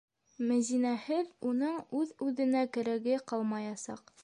Мәҙинәһеҙ уның үҙ-үҙенә кәрәге ҡалмаясаҡ.